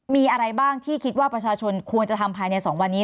มีอะไรบ้างที่คิดว่าประชาชนควรจะทำภายใน๒วันนี้